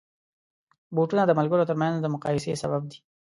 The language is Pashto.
بوټونه د ملګرو ترمنځ د مقایسې سبب دي.